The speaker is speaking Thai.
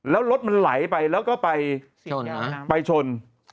แล้วรถมันไหลไปแล้วก็ไปชน